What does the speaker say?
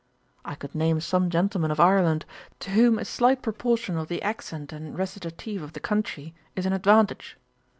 I could name some gentlemen of Ireland, to whom a slight proportion of the accent and recitative of that country is an advantage.